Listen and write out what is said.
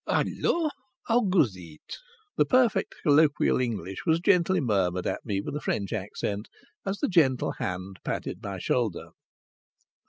"Hullo! How goes it?" The perfect colloquial English was gently murmured at me with a French accent as the gentle hand patted my shoulder.